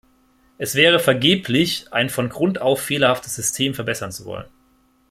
Es wäre vergeblich, ein von Grund auf fehlerhaftes System verbessern zu wollen.